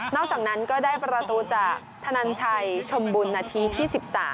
อกจากนั้นก็ได้ประตูจากธนันชัยชมบุญนาทีที่๑๓